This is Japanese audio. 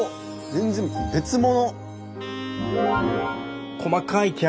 全然別物。